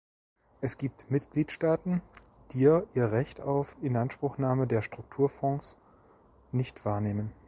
Es gibt Mitgliedstaaten, dir ihr Recht auf Inanspruchnahme der Strukturfonds nicht wahrnehmen.